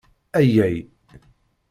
Ayyay